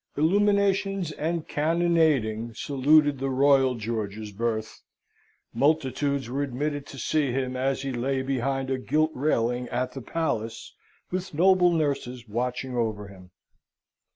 Illuminations and cannonading saluted the Royal George's birth, multitudes were admitted to see him as he lay behind a gilt railing at the Palace with noble nurses watching over him.